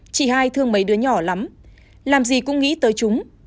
chị hai thương mấy đứa nhỏ lắm làm gì cũng nghĩ tới chúng